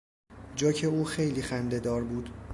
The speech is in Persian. جوک او خیلی خندهدار بود.